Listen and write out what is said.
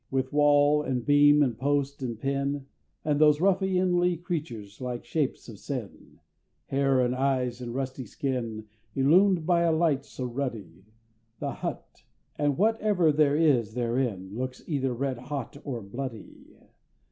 With wall, and beam, and post, and pin, And those ruffianly creatures, like Shapes of Sin, Hair, and eyes, and rusty skin, Illumed by a light so ruddy The Hut, and whatever there is therein, Looks either red hot or bloody!